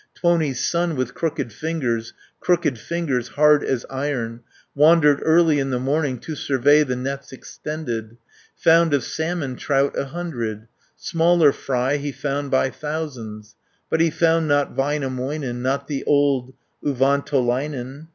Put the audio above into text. Tuoni's son with crooked fingers, Crooked fingers, hard as iron, Wandered early in the morning To survey the nets extended, 380 Found of salmon trout a hundred, Smaller fry he found by thousands, But he found not Väinämöinen, Not the old Uvantolainen.